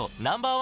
１